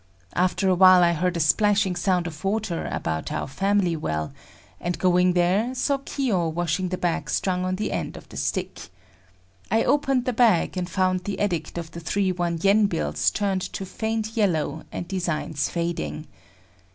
After a while I heard a splashing sound of water about our family well, and going there, saw Kiyo washing the bag strung on the end of the stick. I opened the bag and found the color of the three one yen bills turned to faint yellow and designs fading.